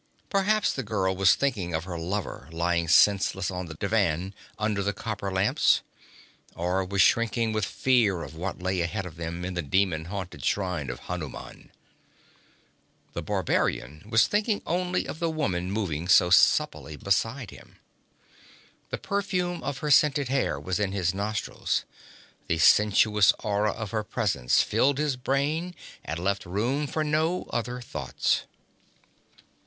Perhaps the girl was thinking of her lover lying senseless on the divan under the copper lamps; or was shrinking with fear of what lay ahead of them in the demon haunted shrine of Hanuman. The barbarian was thinking only of the woman moving so supplely beside him. The perfume of her scented hair was in his nostrils, the sensuous aura of her presence filled his brain and left room for no other thoughts.